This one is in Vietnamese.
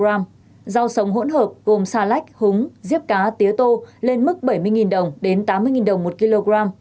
rau sống hỗn hợp gồm xà lách húng riếp cá tía tô lên mức bảy mươi đồng đến tám mươi đồng một kg